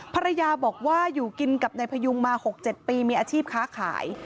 ภรรยาบอกว่าอยู่กินกับนายพยุงมา๖๗ปีมีอาชีพค้าขาย